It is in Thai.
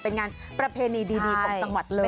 เป็นงานประเพณีดีของจังหวัดเลย